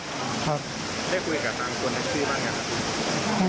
ครับได้คุยกับทางคนในชื่อบ้างยังครับ